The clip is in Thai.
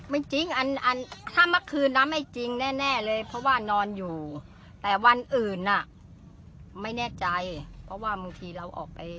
จริงอันถ้าเมื่อคืนนะไม่จริงแน่เลยเพราะว่านอนอยู่แต่วันอื่นอ่ะไม่แน่ใจเพราะว่าบางทีเราออกไป